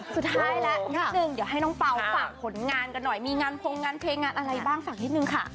สุดท้ายแล้วนิดนึงเดี๋ยวให้น้องเปล่าฝากผลงานกันหน่อยมีงานพงงานเพลงงานอะไรบ้างฝากนิดนึงค่ะ